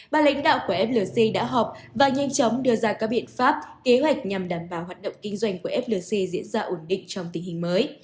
ba lãnh đạo của flc đã họp và nhanh chóng đưa ra các biện pháp kế hoạch nhằm đảm bảo hoạt động kinh doanh của flc diễn ra ổn định trong tình hình mới